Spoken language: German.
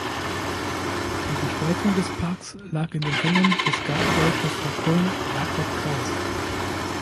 Die Gestaltung des Parks lag in den Händen des Gartendirektors von Köln, Jakob Greiß.